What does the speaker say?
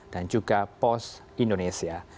dan juga pos indonesia